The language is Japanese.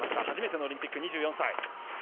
初めてのオリンピック、２４歳。